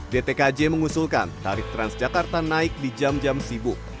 dtkj mengusulkan tarif transjakarta naik di jam jam sibuk